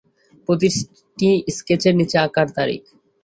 প্রতিটি স্কেচের নিচে আঁকার তারিখ।